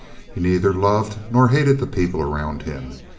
He neither loved nor hated the people around him.